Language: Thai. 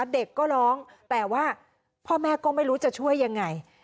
เด็กก็ร้องแต่ว่าพ่อแม่ก็ไม่รู้จะช่วยยังไง